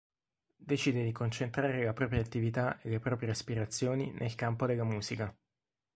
Decide di concentrare la propria attività e le proprie aspirazioni nel campo della musica.